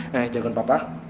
nah jagoan papa